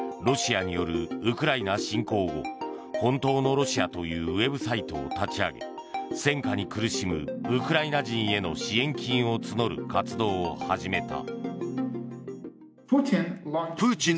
ロシアによるウクライナ侵攻後本当のロシアというウェブサイトを立ち上げ戦禍に苦しむウクライナ人への支援金を募る活動を始めた。